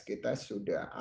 kita sudah mulai